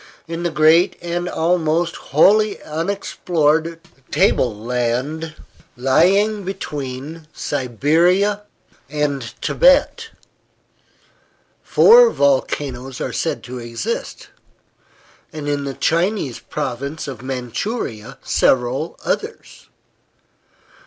In the great and almost wholly unexplored table land lying between Siberia and Tibet four volcanoes are said to exist, and in the Chinese province of Manchuria several others.